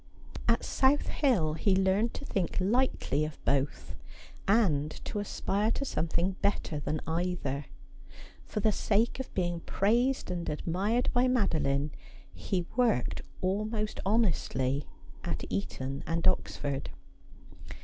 At South Hill he learned to think lightly of both, and to aspire to something better than either. For the sake of being praised and admired by Madeline he worked, almost honestly, at Eton and Oxford.